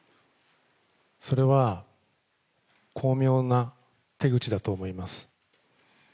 それは巧妙な手口だと思います。